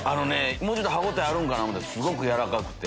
もうちょっと歯応えあると思たらすごく軟らかくて。